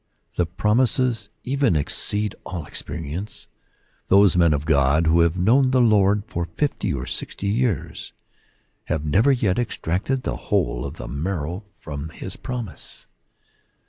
The promises even exceed all experience. Those men of God who have known the Lord for fifty or sixty years have never yet extracted the whole of the marrow from his promise.